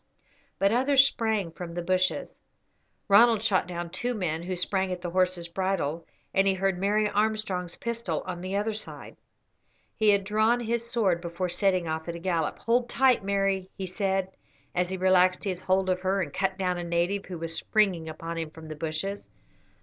But others sprang from the bushes. Ronald shot down two men who sprang at the horse's bridle, and he heard Mary Armstrong's pistol on the other side. He had drawn his sword before setting off at a gallop. "Hold tight, Mary," he said, as he relaxed his hold of her and cut down a native who was springing upon him from the bushes.